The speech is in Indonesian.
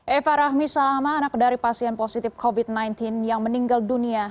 eva rahmi salama anak dari pasien positif covid sembilan belas yang meninggal dunia